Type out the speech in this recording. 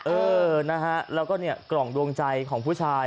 เออนะฮะแล้วก็เนี่ยกล่องดวงใจของผู้ชาย